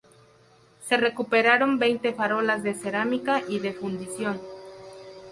Se recuperaron veinte farolas de cerámica y de fundición.